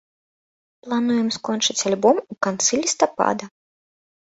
Плануем скончыць альбом у канцы лістапада.